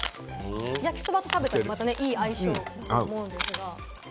焼きそばと食べたら、またいい相性だと思うんですが。